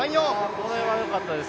これはよかったです